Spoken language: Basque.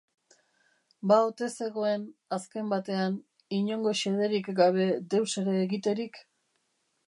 Ba ote zegoen, azken batean, inongo xederik gabe deus ere egiterik?